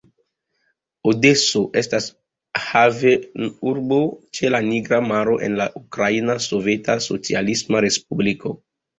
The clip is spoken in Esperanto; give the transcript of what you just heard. Odeso estas havenurbo ĉe la Nigra Maro en la Ukraina Soveta Socialisma Respubliko.